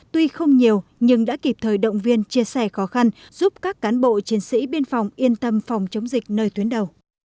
tuy không nhiều nhưng đã kịp thời động viên chia sẻ khó khăn giúp các cán bộ chiến sĩ biên phòng yên tâm phòng chống dịch nơi tuyến đầu